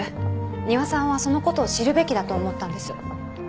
丹羽さんはそのことを知るべきだと思ったんです。